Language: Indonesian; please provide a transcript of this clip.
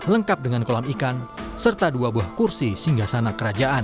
lengkap dengan kolam ikan serta dua buah kursi singgah sana kerajaan